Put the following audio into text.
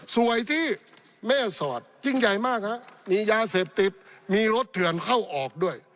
สวยที่แม่สอดยิ่งใหญ่มากฮะมียาเสพติดมีรถเถื่อนเข้าออกด้วย